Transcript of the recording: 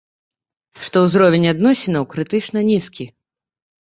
Што ўзровень адносінаў крытычна нізкі.